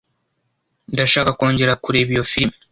Ndashaka kongera kureba iyo firime.